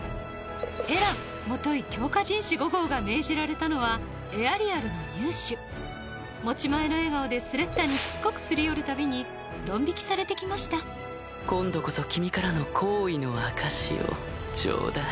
エランもとい強化人士５号が命じられたのはエアリアルの入手持ち前の笑顔でスレッタにしつこく擦り寄る度にドン引きされてきました今度こそ君からの好意の証しをちょうだい。